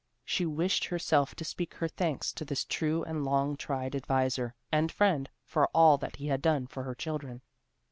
She wished herself to speak her thanks to this true and long tried adviser and friend, for all that he had done for her children.